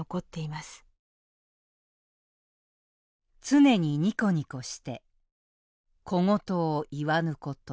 「常にニコニコして小言を言わぬこと」。